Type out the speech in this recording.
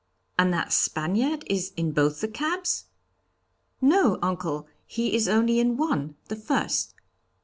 'And that Spaniard is in both the cabs?' 'No, uncle, he is only in one, the first.'